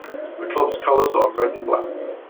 The club's colors are red and black.